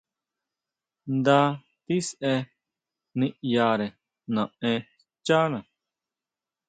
Nda tisʼe niʼyare naʼen xchana.